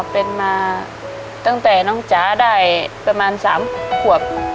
เป็นมาตั้งแต่น้องจ๋าได้ประมาณ๓ขวบ